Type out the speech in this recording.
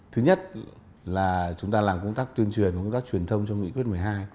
thứ nhất là chúng ta làm công tác tuyên truyền công tác truyền thông trong nghị quyết một mươi hai